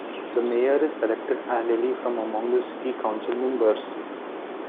The Mayor is selected annually from among the City Council members.